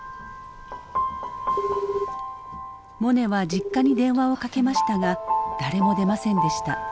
モネは実家に電話をかけましたが誰も出ませんでした。